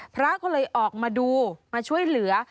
พระก็เลยออกมาดูมาช่วยเหลือ